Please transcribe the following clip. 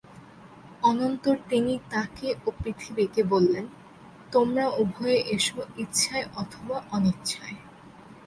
অনন্তর তিনি তাকে ও পৃথিবীকে বললেন, তোমরা উভয়ে এসো ইচ্ছায় অথবা অনিচ্ছায়।